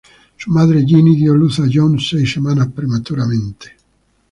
Su madre Ginny dio luz a John seis semanas prematuramente.